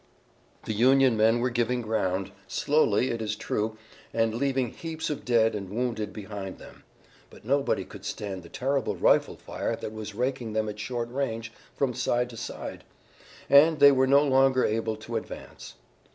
The Union men were giving ground, slowly, it is true, and leaving heaps of dead and wounded behind them, but nobody could stand the terrible rifle fire that was raking them at short range from side to side, and they were no longer able to advance.